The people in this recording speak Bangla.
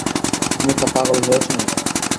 তুমি কি পাগল হয়েছ নাকি।